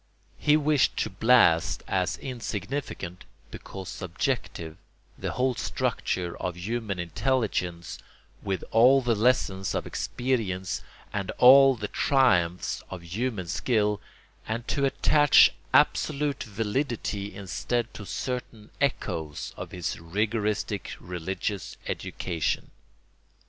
He wished to blast as insignificant, because "subjective," the whole structure of human intelligence, with all the lessons of experience and all the triumphs of human skill, and to attach absolute validity instead to certain echoes of his rigoristic religious education.